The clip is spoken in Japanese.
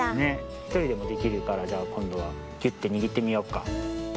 ひとりでもできるからじゃあこんどはぎゅってにぎってみよっか。